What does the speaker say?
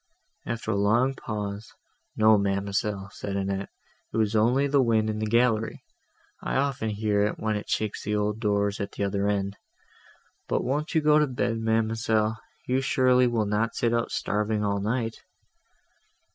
After a long pause, "No, ma'amselle," said Annette, "it was only the wind in the gallery; I often hear it, when it shakes the old doors, at the other end. But won't you go to bed, ma'amselle? you surely will not sit up starving, all night."